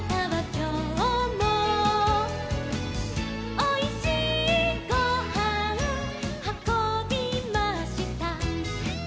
「おいしいごはんはこびました」